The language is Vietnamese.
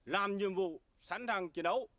làm nhiệm vụ sẵn sàng chiến đấu